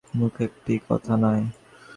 রাত হইতে লাগিল কিন্তু দুজনের মুখে একটি কথা নাই।